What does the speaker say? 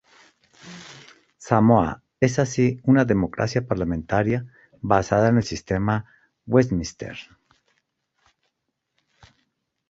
Samoa es así una democracia parlamentaria basada en el sistema Westminster.